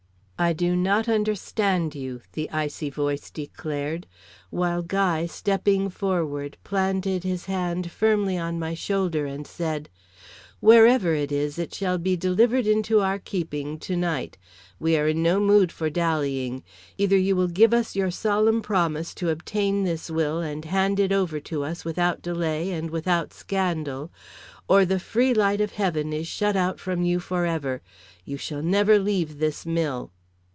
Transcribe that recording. "I do not understand you," the icy voice declared; while Guy, stepping forward, planted his hand firmly on my shoulder and said: "Wherever it is, it shall be delivered to our keeping to night. We are in no mood for dallying. Either you will give us your solemn promise to obtain this will, and hand it over to us without delay and without scandal, or the free light of heaven is shut out from you forever. You shall never leave this mill."